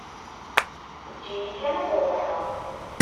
Eǧǧ-iyi kan ad ṛuḥeɣ.